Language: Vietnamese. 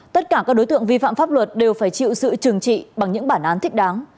tất cả các đối tượng vi phạm pháp luật đều phải chịu sự trừng trị bằng những bản án thích đáng